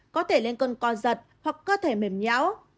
có thể lên cơn co giật hoặc cơ thể mềm nhão